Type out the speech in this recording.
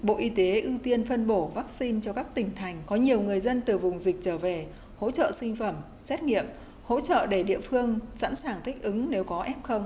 bộ y tế ưu tiên phân bổ vaccine cho các tỉnh thành có nhiều người dân từ vùng dịch trở về hỗ trợ sinh phẩm xét nghiệm hỗ trợ để địa phương sẵn sàng thích ứng nếu có f